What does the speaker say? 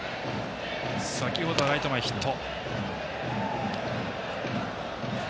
先ほどはライト前ヒット。